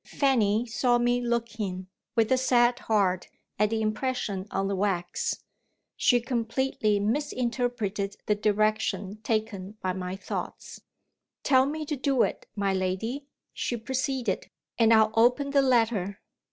Fanny saw me looking, with a sad heart, at the impression on the wax. She completely misinterpreted the direction taken by my thoughts. "Tell me to do it, my lady," she proceeded; "and I'll open the letter."